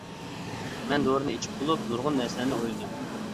مەن دورىنى ئىچىپ بولۇپ، نۇرغۇن نەرسىلەرنى ئويلىدىم.